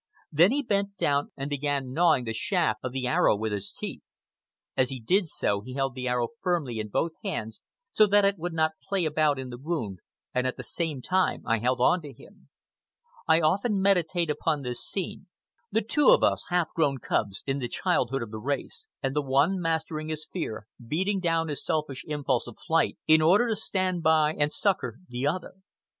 Then he bent down and began gnawing the shaft of the arrow with his teeth. As he did so he held the arrow firmly in both hands so that it would not play about in the wound, and at the same time I held on to him. I often meditate upon this scene—the two of us, half grown cubs, in the childhood of the race, and the one mastering his fear, beating down his selfish impulse of flight, in order to stand by and succor the other.